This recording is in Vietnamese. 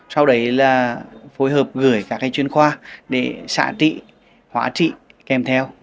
sau đấy là phối hợp gửi các chuyên khoa để xạ trị hóa trị kèm theo